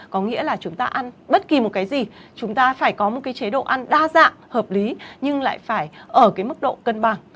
có nghĩa là chúng ta ăn bất kỳ một cái gì chúng ta phải có một cái chế độ ăn đa dạng hợp lý nhưng lại phải ở cái mức độ cân bằng